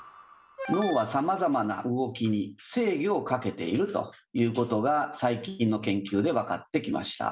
脳はさまざまな動きに制御をかけているということが最近の研究で分かってきました。